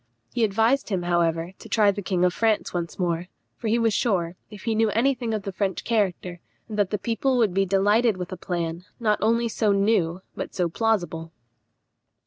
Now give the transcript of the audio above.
He advised him, however, to try the king of France once more; for he was sure, if he knew any thing of the French character, that the people would be delighted with a plan, not only so new, but so plausible.